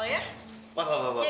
bapak bapak bapak